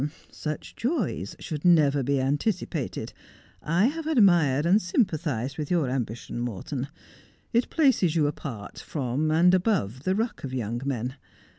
' Such joys should never be anticipated. I have admired and sympathized with your ambition, Morton. It places you apart from and above the ruck of young men.